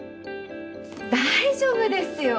大丈夫ですよ！